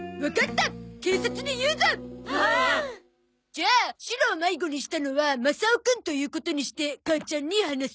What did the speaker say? じゃあシロを迷子にしたのはマサオくんということにして母ちゃんに話す。